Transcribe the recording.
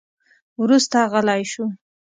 وروسته غلی شو.